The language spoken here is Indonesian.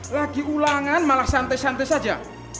lagi ulangan malah santai santai saja